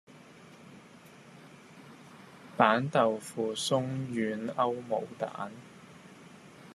板豆腐鬆軟歐姆蛋